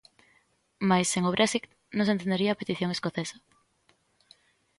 Mais sen o Brexit non se entendería a petición escocesa.